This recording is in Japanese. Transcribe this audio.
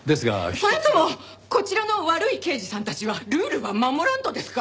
それともこちらの悪い刑事さんたちはルールば守らんとですか？